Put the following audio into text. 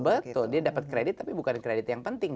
betul dia dapat kredit tapi bukan kredit yang penting